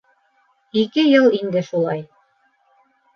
Ике йыл инде шулай.